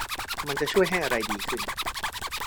มันจะช่วยให้อะไรดีขึ้น